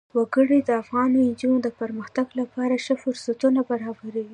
وګړي د افغان نجونو د پرمختګ لپاره ښه فرصتونه برابروي.